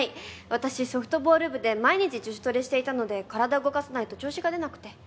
私ソフトボール部で毎日自主トレしていたので体動かさないと調子が出なくて。